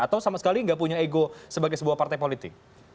atau sama sekali nggak punya ego sebagai sebuah partai politik